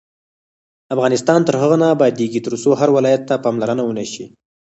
افغانستان تر هغو نه ابادیږي، ترڅو هر ولایت ته پاملرنه ونشي.